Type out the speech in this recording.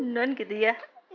non gitu ya